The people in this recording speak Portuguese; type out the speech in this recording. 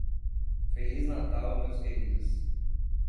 Feliz Natal meus queridos.